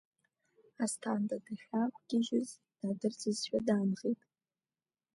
Асҭанда дахьаақәгьежьыз дадырсызшәа даанхеит.